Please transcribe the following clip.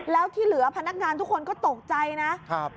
แล้วที่เหลือพนักงานทุกคนก็ตกใจนะครับ